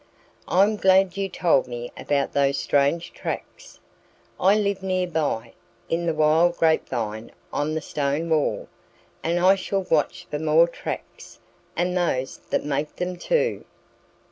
"I'm glad you told me about those strange tracks. I live near by, in the wild grapevine on the stone wall; and I shall watch for more tracks and those that make them, too."